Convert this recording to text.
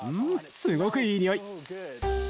すごくいいにおい！